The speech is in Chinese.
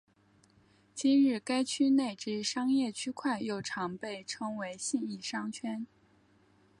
今日该区内之商业区块又常被称为信义商圈。